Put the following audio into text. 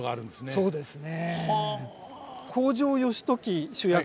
そうですね。